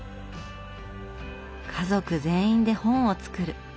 家族全員で本を作る。